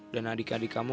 dan adik adik kamu